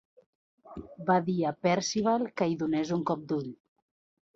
Va dir a Percival que hi donés un cop d'ull.